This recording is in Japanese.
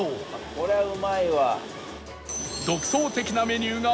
これはうまいわ。